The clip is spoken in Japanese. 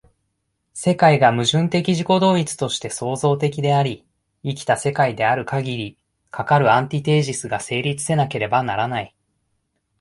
世界が矛盾的自己同一として創造的であり、生きた世界であるかぎり、かかるアンティテージスが成立せなければならない。